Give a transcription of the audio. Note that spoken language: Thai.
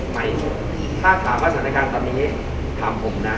ไหมถ้าถามว่าสถานการณ์ตอนนี้ถามผมนะ